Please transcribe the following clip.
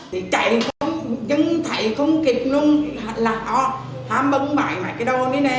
thì chạy nhưng thầy không kịp luôn là họ hám bấn bại mấy cái đồ này nè